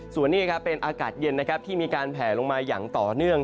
ส่วนนี้เป็นอากาศเย็นนะครับที่มีการแผลลงมาอย่างต่อเนื่อง